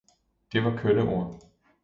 Det var kønne ord!